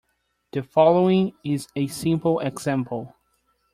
The following is a simple example.